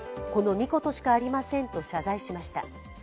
この三言しかありませんと謝罪しました。